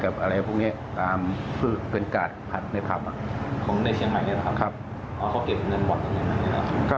เสื่อมเสียชื่อเสียชื่อเสียงก็เลยต้องไปแจ้งความเพราะว่ารับไม่ได้ที่อีกฝ่ายนึงมากระทำลูกสาวแม่อยู่ฝ่ายเดียวค่ะ